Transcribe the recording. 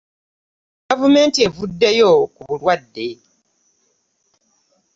Gavumenti evuddeyo ku bulwadde.